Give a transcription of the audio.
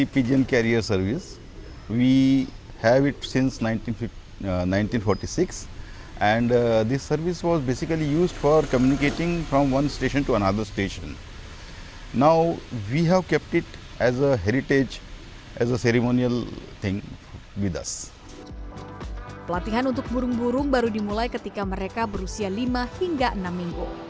pelatihan untuk burung burung baru dimulai ketika mereka berusia lima hingga enam minggu